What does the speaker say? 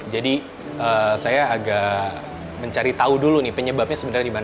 jadi saya agak mencari tahu dulu penyebabnya